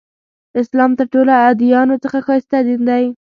اسلام تر ټولو ادیانو څخه ښایسته دین دی.